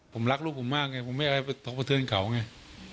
ผมรักลูกผมมากไงผมไม่เอาให้เขาเผทิวนเขาไง